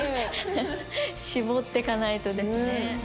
絞ってかないとですね。